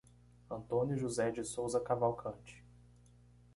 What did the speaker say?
Antônio José de Sousa Cavalcante